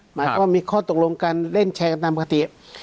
หมายความว่ามีข้อตกลงการเล่นแชร์กันตามปกติ